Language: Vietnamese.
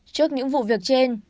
trước những vụ việc trên